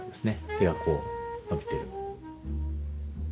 手がこう伸びてる。